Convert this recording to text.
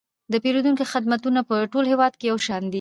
د پیرودونکو خدمتونه په ټول هیواد کې یو شان دي.